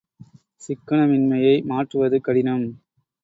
சிக்கனமின்மையை மாற்றுவது கடினம்!